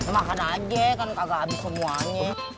makan aja kan agak habis semuanya